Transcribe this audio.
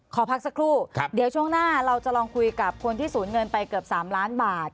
ขอพักสักครู่เดี๋ยวช่วงหน้าเราจะลองคุยกับคนที่สูญเงินไปเกือบ๓ล้านบาท